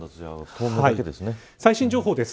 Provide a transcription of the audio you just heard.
最新情報です。